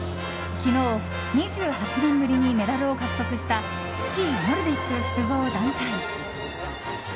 昨日、２８年ぶりにメダルを獲得したスキーノルディック複合団体。